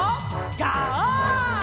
ガオー！